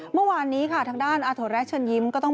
เมื่อวานนี้ทางด้านอาถวัรก๊าฮ์เชิญยิ้ม